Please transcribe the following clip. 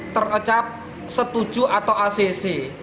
terecap setuju atau acc